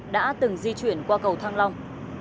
đã từng di chuyển qua cầu thăng long